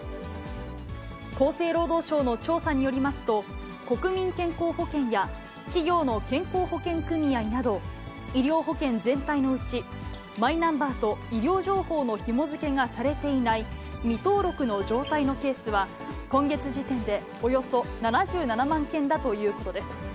厚生労働省の調査によりますと、国民健康保険や企業の健康保険組合など、医療保険全体のうち、マイナンバーと医療情報のひも付けがされていない未登録の状態のケースは、今月時点で、およそ７７万件だということです。